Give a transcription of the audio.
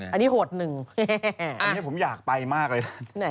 อันนี้โหดหนึ่งอันนี้ผมอยากไปมากเลยนะ